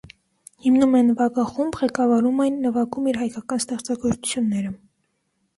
Հիմնում է նվագախումբ, ղեկավարում այն, նվագում իր հայկական ստեղծագործությունները։